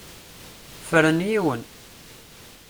Fren yiwen.